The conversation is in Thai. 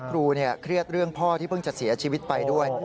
เครียดเรื่องพ่อที่เพิ่งจะเสียชีวิตไปด้วย